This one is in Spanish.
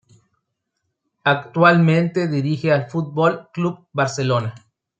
Actualmente dirige al Fútbol Club Barcelona.